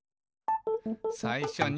「さいしょに」